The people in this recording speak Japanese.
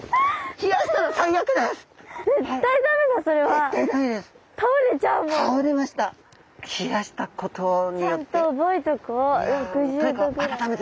冷やしたことによって。